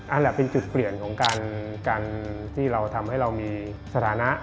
นั่นแหละเป็นจุดเปลี่ยนของการที่เราทำให้เรามีสถานะ